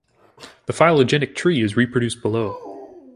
The phylogenetic tree is reproduced below.